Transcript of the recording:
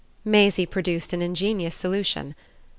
Maisie produced an ingenious solution.